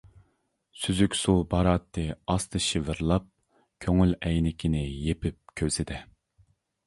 سۈزۈك سۇ باراتتى ئاستا شىۋىرلاپ، كۆڭۈل ئەينىكىنى يېيىپ كۆزىدە.